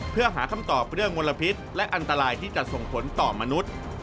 เพื่อหาคำตอบเรื่องมลพิษและอันตรายที่จะส่งผลต่อมนุษย์